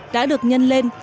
đã được nhân lên